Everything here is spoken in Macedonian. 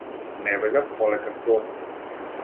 Не бегав, полека си отидов.